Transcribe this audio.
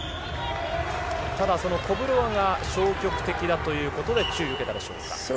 コブロワが消極的だということで注意を受けたでしょうか。